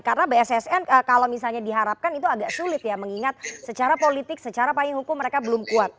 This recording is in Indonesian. karena bssn kalau misalnya diharapkan itu agak sulit ya mengingat secara politik secara payung hukum mereka belum kuat